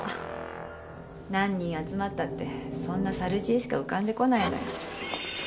何人集まったってそんな猿知恵しか浮かんでこないのよ。